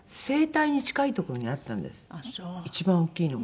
一番大きいのが。